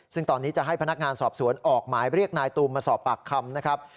ซึ่งตอนนี้จะให้พนักงานสอบสวนออกหมายเรียกนายตูมมาสอบปากคำนะครับ